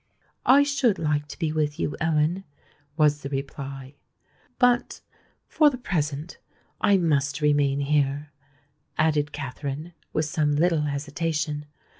"I should like to be with you, Ellen," was the reply: "but—for the present—I must remain here," added Katherine, with some little hesitation.